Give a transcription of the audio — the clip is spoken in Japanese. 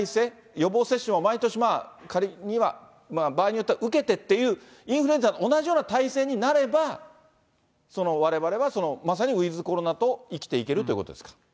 予防接種も毎年、仮には、場合によっては受けてっていう、インフルエンザと同じような体制になれば、われわれはまさにウィズコロナと生きていけるということですか？